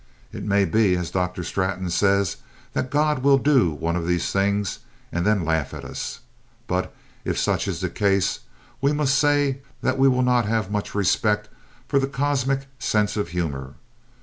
It may be, as Dr. Straton says, that God will do one of these things and then laugh at us, but if such is the case we must say that we will not have much respect for the cosmic sense of humor.